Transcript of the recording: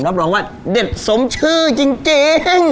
รับรองว่าเด็ดสมชื่อจริง